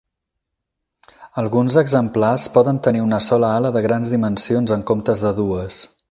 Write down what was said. Alguns exemplars poden tenir una sola ala de grans dimensions en comptes de dues.